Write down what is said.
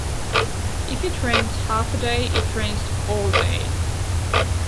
If it rains half a day, it rains all day.